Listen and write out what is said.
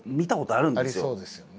ありそうですよね。